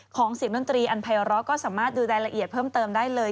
เสียงดนตรีอันภัยร้อก็สามารถดูรายละเอียดเพิ่มเติมได้เลย